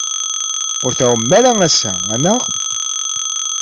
Ur tɛummem ara ass-a, anaɣ?